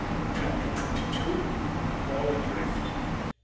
'" CHAPTER TWENTY TWO. ALL ADRIFT.